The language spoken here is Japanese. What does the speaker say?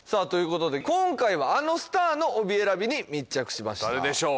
今回はあのスターの帯選びに密着しました誰でしょう